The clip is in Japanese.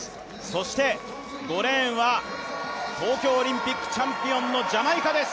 そして５レーンは東京オリンピックチャンピオンのジャマイカです。